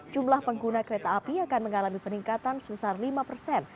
jumlah pengguna kereta api akan mengalami peningkatan sebesar lima persen